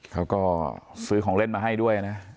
เขาก็ซื้อของเล่นมาให้ด้วยนะ